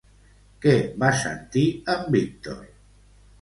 Què va sentir en Víctor?